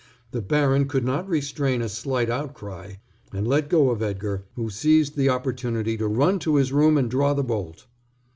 The baron could not restrain a slight outcry, and let go of Edgar, who seized the opportunity to run to his room and draw the bolt.